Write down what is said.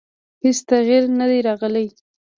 هېڅ تغییر نه دی راغلی.